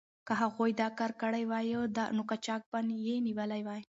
که هغوی دا کار کړی وای، نو قاچاق به یې نیولی وای.